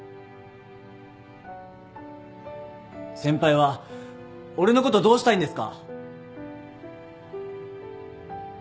先輩は俺のことどうしたいんですか？